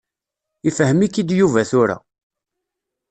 Ifhem-ik-id Yuba tura.